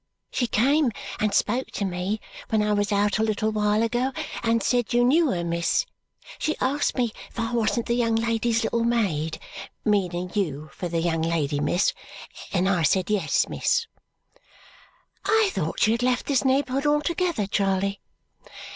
"She came and spoke to me when I was out a little while ago, and said you knew her, miss. She asked me if I wasn't the young lady's little maid meaning you for the young lady, miss and I said yes, miss." "I thought she had left this neighbourhood altogether, Charley."